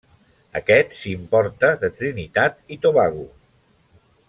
Aquest s'importa de Trinitat i Tobago.